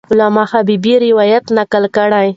علامه حبیبي روایت نقل کړ.